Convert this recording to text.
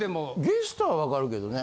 ゲストはわかるけどね。